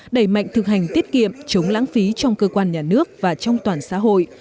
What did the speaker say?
đẩy mạnh thực hành tiết kiệm chống lãng phí trong cơ quan nhà nước và trong toàn xã hội